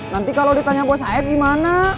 nanti kalau ditanya bos saeb gimana